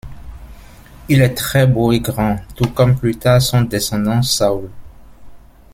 Il est très beau et grand, tout comme plus tard son descendant Saül.